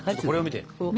これを見て。